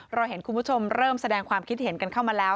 เราเห็นคุณผู้ชมเริ่มแสดงความคิดเห็นกันเข้ามาแล้ว